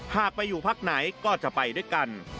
หากไปอยู่พักไหนก็จะไปด้วยกัน